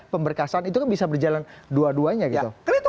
pemberkasan itu kan bisa berjalan dua duanya gitu